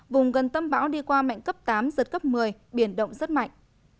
vùng gần tâm bão đi qua mạnh cấp tám giật cấp một mươi biển động rất mạnh